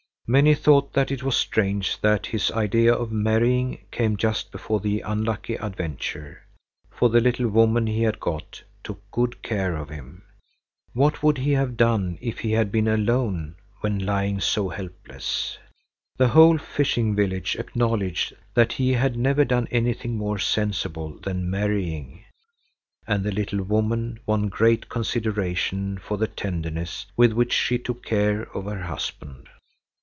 Many thought that it was strange that his idea of marrying came just before the unlucky adventure, for the little woman he had got took good care of him. What would he have done if he had been alone when lying so helpless? The whole fishing village acknowledged that he had never done anything more sensible than marrying, and the little woman won great consideration for the tenderness with which she took care of her husband.